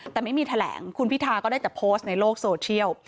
แต่ไม่มีแถลงคุณพิธาก็ได้แต่โพสต์ในโลกโซเชียล